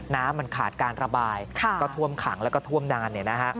น้ำมันขาดการระบายก็ท่วมขังแล้วก็ท่วมดัน